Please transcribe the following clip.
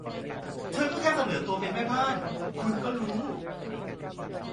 เธอก็แค่เสนอตัวเป็นแม่บ้าน คุณก็รู้